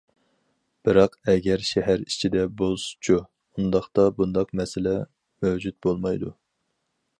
بىراق، ئەگەر شەھەر ئىچىدە بولسىچۇ، ئۇنداقتا بۇنداق مەسىلە مەۋجۇت بولمايدۇ.